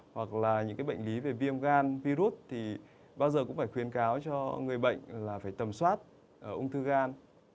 hoặc là những bệnh lý về viêm gan virus thì bao giờ cũng phải khuyến cáo cho người bệnh là phải tầm soát ung thư gan